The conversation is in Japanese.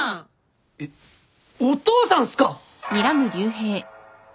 えっお父さんっすか！？